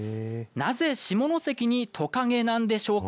なぜ下関にとかげなんでしょうか。